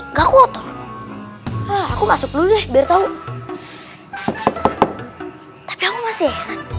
enggak kotor aku masuk dulu deh biar tahu tapi aku masih